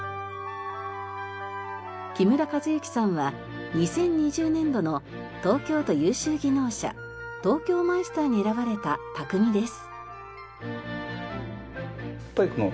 木村一幸さんは２０２０年度の東京都優秀技能者東京マイスターに選ばれた匠です。